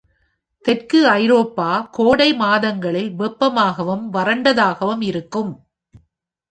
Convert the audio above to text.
தெற்கு ஐரோப்பா, கோடை மாதங்களில் வெப்பமாகவும் வறண்டதாகவும் இருக்கும்.